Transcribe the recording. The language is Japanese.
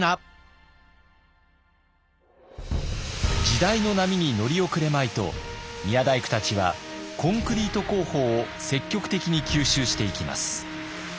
時代の波に乗り遅れまいと宮大工たちはコンクリート工法を積極的に吸収していきます。